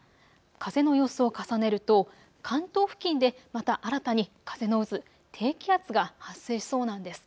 風の予想を重ねると、関東付近でまた新たに風の渦、低気圧が発生しそうなんです。